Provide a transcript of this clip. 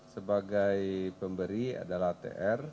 sebagai pemberi adalah tr